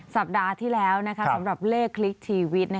สัปดาห์ที่แล้วสำหรับเลขคลิกชีวิต